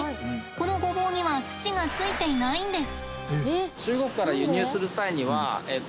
このごぼうには土がついていないんです。